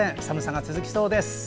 寒さが続きそうです。